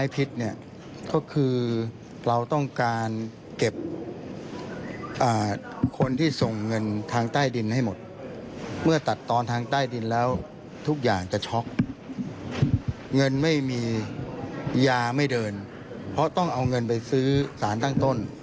เพราะต้องเอาเงินไปซื้อสารตั้งต้น